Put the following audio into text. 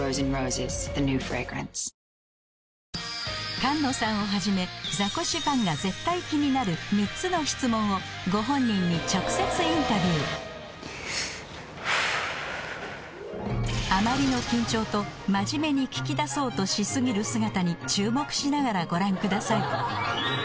菅野さんをはじめザコシご本人に直接インタビューあまりの緊張と真面目に聞き出そうとし過ぎる姿に注目しながらご覧ください